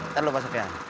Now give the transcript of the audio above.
ntar dulu pak sofyan